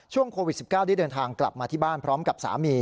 โควิด๑๙ได้เดินทางกลับมาที่บ้านพร้อมกับสามี